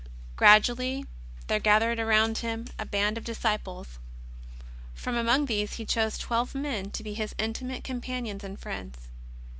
Gradually there gathered round Him a band of dis ciples. From among these He chose twelve men to be His intimate companions and friends.